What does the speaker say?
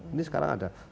ini sekarang ada